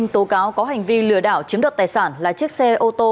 tố cáo có hành vi lừa đảo chiếm đặt tài sản là chiếc xe ô tô